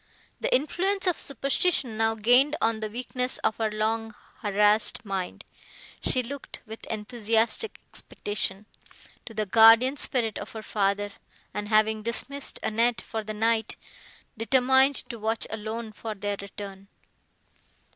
The influence of superstition now gained on the weakness of her long harassed mind; she looked, with enthusiastic expectation, to the guardian spirit of her father, and, having dismissed Annette for the night, determined to watch alone for their return.